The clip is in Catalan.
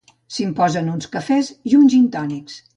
S'imposen uns cafès i uns gintònics.